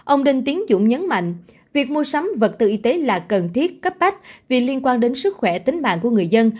ông đinh tiến dũng nhấn mạnh việc mua sắm vật tư y tế là cần thiết cấp bách vì liên quan đến sức khỏe tính mạng của người dân